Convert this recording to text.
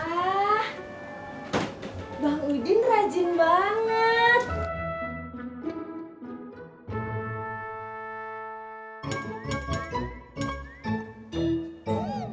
wah bang udin rajin banget